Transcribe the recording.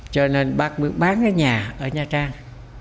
cho nên bác bước bán cái nhà ở nha trang